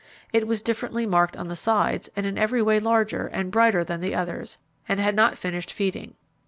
It was differently marked on the sides, and in every way larger, and brighter than the others, and had not finished feeding.